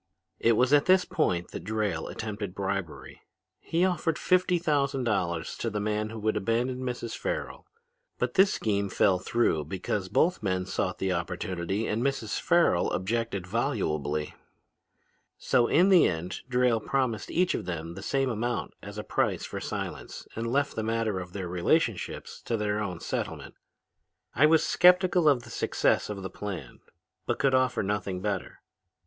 "It was at this point that Drayle attempted bribery. He offered fifty thousand dollars to the man who would abandon Mrs. Farrel. But this scheme fell through because both men sought the opportunity and Mrs. Farrel objected volubly. "So in the end Drayle promised each of them the same amount as a price for silence and left the matter of their relationships to their own settlement. "I was skeptical of the success of the plan but could offer nothing better.